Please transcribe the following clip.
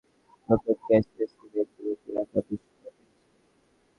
দুই মৌসুম আগে হোসে মরিনহো প্রথম ক্যাসিয়াসকে বেঞ্চে বসিয়ে রাখার দুঃসাহস দেখিয়েছিলেন।